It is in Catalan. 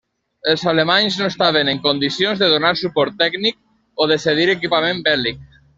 Els alemanys no estaven en condicions de donar suport tècnic o de cedir equipament bèl·lic.